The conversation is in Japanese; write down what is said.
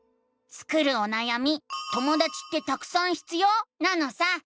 スクるおなやみ「ともだちってたくさん必要？」なのさ！